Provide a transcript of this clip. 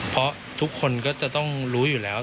เพราะทุกคนก็จะต้องรู้อยู่แล้ว